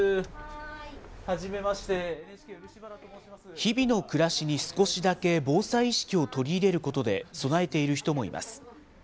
日々の暮らしに少しだけ防災意識を取り入れることで備えている人もいます。